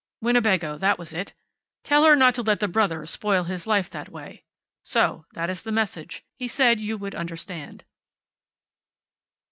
"Winnebago. That was it. `Tell her not to let the brother spoil his life that way.' So. That is the message. He said you would understand."